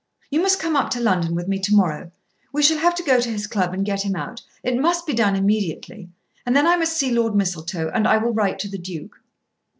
"You must come up to London with me to morrow. We shall have to go to his club and get him out. It must be done immediately; and then I must see Lord Mistletoe, and I will write to the Duke."